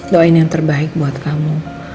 doain yang terbaik buat kamu